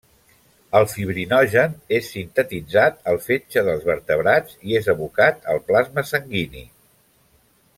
El fibrinogen és sintetitzat al fetge dels vertebrats i és abocat al plasma sanguini.